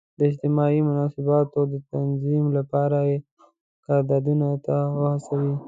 د اجتماعي مناسباتو د تنظیم لپاره یې قرارداد ته هڅوي.